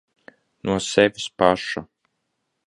No sevis paša.